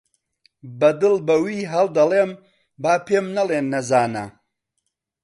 بە دڵ بە وی هەڵدەڵێم با پێم نەڵێ نەزانە